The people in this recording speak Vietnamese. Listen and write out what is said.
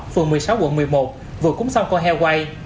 phường một mươi sáu quận một mươi một vừa cúng xong con heo quay